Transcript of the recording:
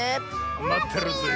まってるぜえ。